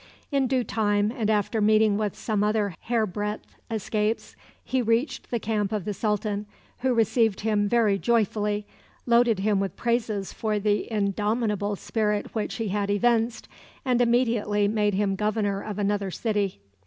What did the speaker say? In due time, and after meeting with some other hairbreadth escapes, he reached the camp of the sultan, who received him very joyfully, loaded him with praises for the indomitable spirit which he had evinced, and immediately made him governor of another city.